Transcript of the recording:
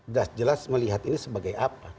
sudah jelas melihat ini sebagai apa